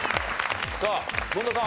さあ権田さん